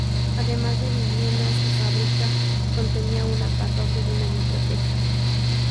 Además de viviendas y fábrica, contenía una parroquia y una biblioteca.